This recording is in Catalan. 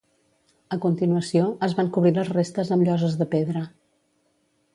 A continuació, es van cobrir les restes amb lloses de pedra.